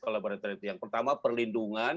collaborator itu yang pertama perlindungan